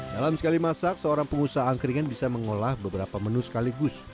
dalam sekali masak seorang pengusaha angkringan bisa mengolah beberapa menu sekaligus